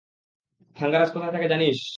থাঙ্গারাজ কোথায় থাকে জানিস?